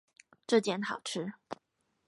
這間好吃